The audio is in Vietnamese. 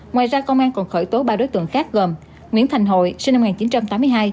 ngoài ra công an còn khởi tố ba đối tượng khác gồm nguyễn thành hội sinh năm một nghìn chín trăm tám mươi hai